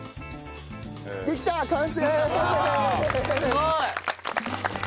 すごい！